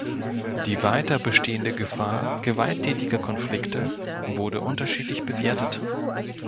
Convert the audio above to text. Die weiter bestehende Gefahr gewalttätiger Konflikte wurde unterschiedlich bewertet.